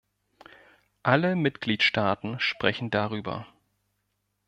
Alle Mitgliedstaaten sprechen darüber.